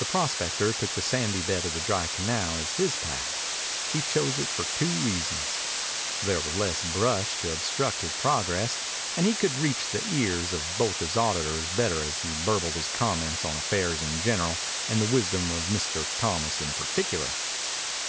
The prospector took the sandy bed of the dry canal as his path. He chose it for two reasons. There was less brush to obstruct his progress, and he could reach the ears of both his auditors better as he burbled his comments on affairs in general and the wisdom of Mr. Thomas in particular.